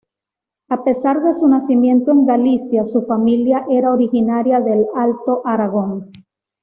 A pesar de su nacimiento en Galicia, su familia era originaria del Alto Aragón.